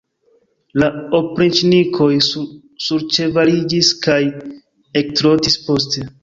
La opriĉnikoj surĉevaliĝis kaj ektrotis poste.